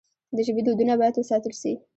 د ژبې دودونه باید وساتل سي.